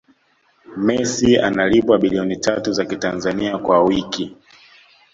messi analipwa bilioni tatu za kitanzania kwa wiki